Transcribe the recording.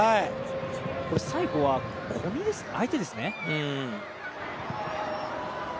最後は、相手ですね。